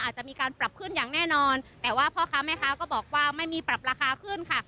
อาจจะมีการปรับขึ้นอย่างแน่นอนแต่ว่าพ่อค้าแม่ค้าก็บอกว่าไม่มีปรับราคาขึ้นค่ะ